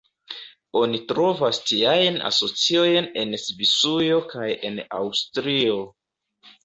Oni trovas tiajn asociojn en Svisujo kaj en Aŭstrio.